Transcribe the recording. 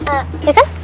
eh ya kan